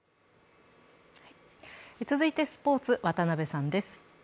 続いて、スポーツ、渡部さんです。